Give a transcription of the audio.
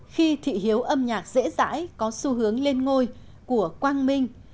khi thị hiếu âm nhạc dễ dãi có xu hướng lên ngôi của quang minh